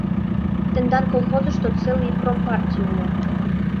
Тендан колхозышто целый промпартий уло.